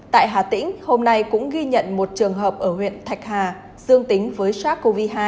tại hà tĩnh hôm nay cũng ghi nhận một trường hợp ở huyện thạch hà dương tính với sars cov hai